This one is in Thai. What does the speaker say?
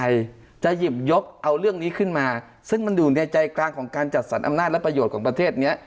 จะหยิบยกเอาเรื่องนี้ขึ้นมาซึ่งมันอยู่ในใจกลางของการจัดสรรอำนาจและประโยชน์ของประเทศเนี้ย